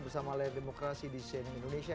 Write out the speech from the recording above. bersama layar demokrasi di cnn indonesia